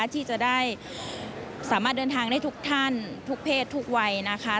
ที่จะได้สามารถเดินทางได้ทุกท่านทุกเพศทุกวัยนะคะ